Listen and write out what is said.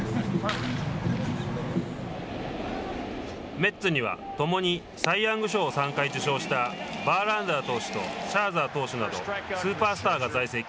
メッツには共にサイ・ヤング賞を３回授賞したバーランダー投手とシャーザー投手などスーパースターが在籍。